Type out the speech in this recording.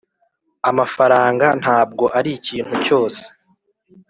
amafaranga ntabwo arikintu cyose